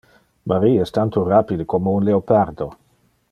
Marie es tanto rapide como un leopardo.